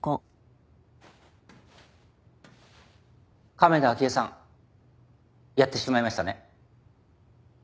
亀田亜希恵さんやってしまいましたね。